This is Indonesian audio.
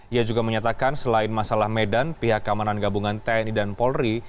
ia juga menyatakan selain masalah medan pihak keamanan gabungan tni dan polri